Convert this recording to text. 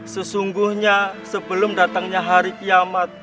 sesungguhnya sebelum datangnya hari kiamat